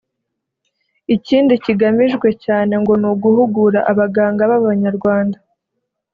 Ikindi kigamijwe cyane ngo ni uguhugura abaganga b’Abanyarwanda